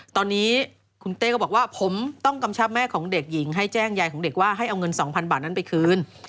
ตอนนี้คุณเต้ก็บอกว่าผมต้องกำชับแม่ของเด็กหญิงให้แจ้งยายของเด็กว่าให้เอาเงิน๒๐๐บาทนั้นไปคืน